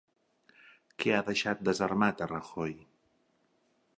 Què ha deixat desarmat a Rajoy?